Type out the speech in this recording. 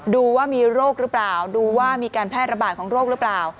ดูว่ามีโรคหรือเปล่าดูว่ามีการแพร่ระบาดของโรคหรือเปล่า